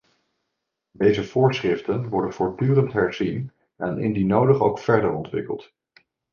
Deze voorschriften worden voortdurend herzien en indien nodig ook verder ontwikkeld.